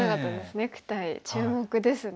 ネクタイ注目ですね。